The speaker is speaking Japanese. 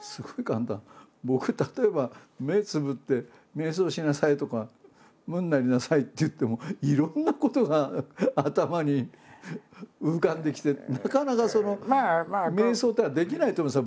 僕例えば目つむって瞑想しなさいとか無になりなさいっていってもいろんなことが頭に浮かんできてなかなかその瞑想っていうのができないと思うんですよ